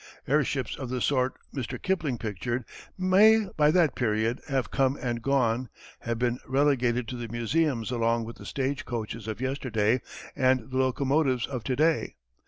Airships of the sort Mr. Kipling pictured may by that period have come and gone have been relegated to the museums along with the stage coaches of yesterday and the locomotives of to day.